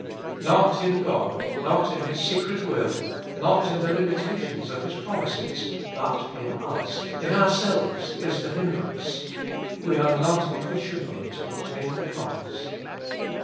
Not in God, not in His secret will, not in the limitations of His promises, but in us, in our selves is the hindrance ; we are not what we should be to obtain the promise.